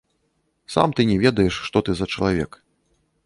Сам ты не ведаеш, што ты за чалавек.